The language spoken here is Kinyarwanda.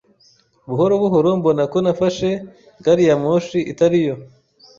Buhoro buhoro mbona ko nafashe gari ya moshi itari yo.